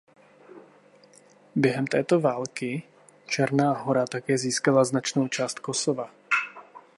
Během této války Černá Hora také získala značnou část Kosova.